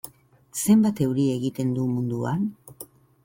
Zenbat euri egiten du munduan?